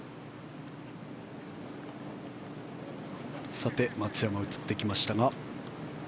さて松山、映ってきましたが。